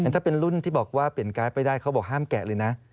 ถ้าเป็นรุ่นที่บอกว่าเปลี่ยนการ์ดไปได้เขาบอกห้ามแกะเลยนะ